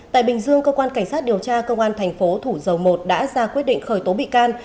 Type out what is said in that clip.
tại bình dương cơ quan cảnh sát điều tra công an thành phố thủ dầu một đã ra quyết định khởi tố bị can